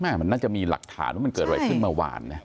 เออมันน่าจะมีหลักฐานเพราะมันเกิดอะไรขึ้นเมื่อหวาน